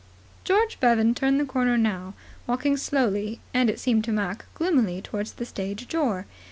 George Bevan turned the corner now, walking slowly, and, it seemed to Mac, gloomily towards the stage door.